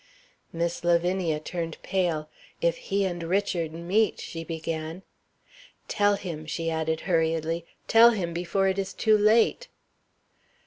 Miss Lavinia turned pale. "If he and Richard meet " she began. "Tell him!" she added, hurriedly "tell him before it is too late!"